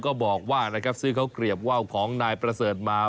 ก็บอกว่าซื้อเข้ากรีบว่าวของนายประเสริฐมา